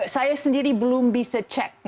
saya sendiri belum bisa cek